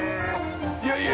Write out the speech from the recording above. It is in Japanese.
いやいや。